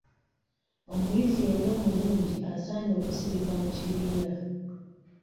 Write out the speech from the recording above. Omuyizi yenna omulungi asaanye okusirika mu kibiina.